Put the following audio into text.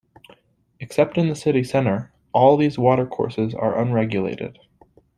Except in the city centre, all these watercourses are unregulated.